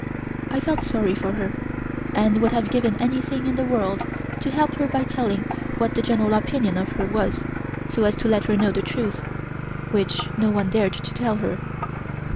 I felt sorry for her, and would have given anything in the world to help her by telling what the general opinion of her was so as to let her know the truth, which no one dared to tell her.